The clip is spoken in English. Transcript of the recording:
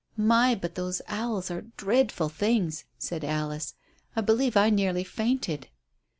"My, but those owls are dreadful things," said Alice. "I believe I nearly fainted."